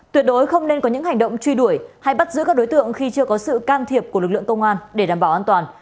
tuyệt đối không nên có những hành động truy đuổi hay bắt giữ các đối tượng khi chưa có sự can thiệp của lực lượng công an để đảm bảo an toàn